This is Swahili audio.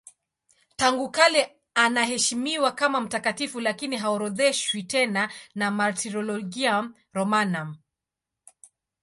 Tangu kale wanaheshimiwa kama mtakatifu lakini haorodheshwi tena na Martyrologium Romanum.